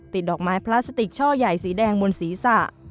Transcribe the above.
ดอกไม้พลาสติกช่อใหญ่สีแดงบนศีรษะ